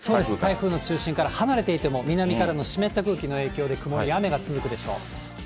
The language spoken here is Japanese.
台風の中心から離れていても南からの湿った空気の影響で曇り、雨が続くでしょう。